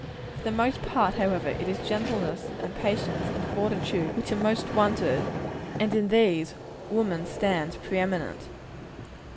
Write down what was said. For the most part, however, it is gentleness, and patience, and fortitude, which are most wanted and in these, woman stands pre eminent.